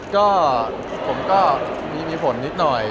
ก็ผมก็มีผลนิดหน่อย